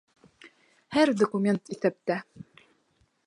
Һәр документ иҫәптә